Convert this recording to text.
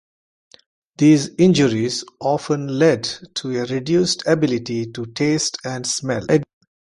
These injuries often lead to a reduced ability to taste and smell.